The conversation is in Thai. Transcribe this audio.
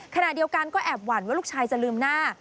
ขณะเดียวกันก็แอบหวั่นว่าลูกชายจะลืมหน้า